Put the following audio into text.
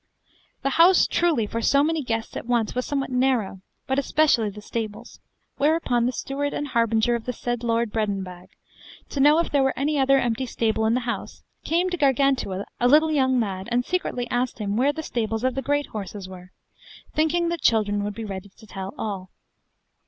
The house truly for so many guests at once was somewhat narrow, but especially the stables; whereupon the steward and harbinger of the said Lord Breadinbag, to know if there were any other empty stable in the house, came to Gargantua, a little young lad, and secretly asked him where the stables of the great horses were, thinking that children would be ready to tell all.